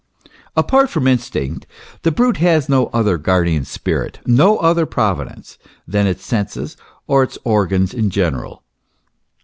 Apart from instinct, the brute has no other guardian spirit, no other Providence, than its senses or its organs in general.